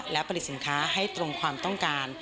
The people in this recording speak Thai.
และผลิตสินค้าให้ตรงความต้องการ